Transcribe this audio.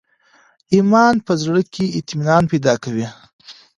ایمان په زړه کي اطمینان پیدا کوي.